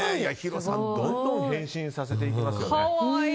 どんどん変身させていきますよね。